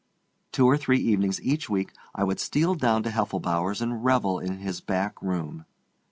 Two or three evenings each week I would steal down to Heffelbower's and revel in his back room.